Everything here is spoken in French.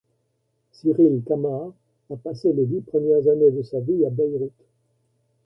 Cyril Kamar a passé les dix premières années de sa vie à Beyrouth.